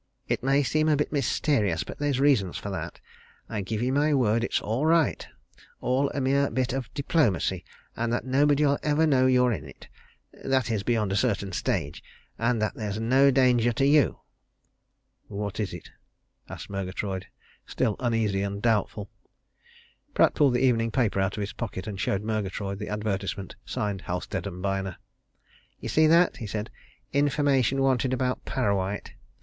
"It may seem a bit mysterious, but there's reasons for that. I give you my word it's all right all a mere bit of diplomacy and that nobody'll ever know you're in it that is, beyond a certain stage and that there's no danger to you." "What is it?" asked Murgatroyd, still uneasy and doubtful. Pratt pulled the evening paper out of his pocket and showed Murgatroyd the advertisement signed Halstead & Byner. "You see that?" he said. "Information wanted about Parrawhite.